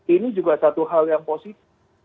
ini juga satu hal yang positif